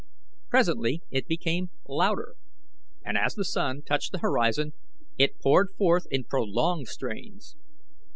Presently it became louder, and as the sun touched the horizon, it poured forth in prolonged strains.